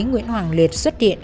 nguyễn hoàng liệt xuất hiện